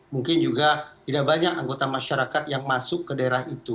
mungkin juga tidak banyak anggota masyarakat yang masuk ke daerah itu